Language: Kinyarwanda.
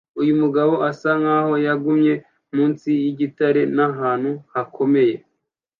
Uyu mugabo asa nkaho yagumye munsi yigitare n ahantu hakomeye